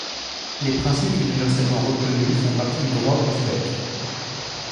Les principes universellement reconnus font partie du droit ouzbek.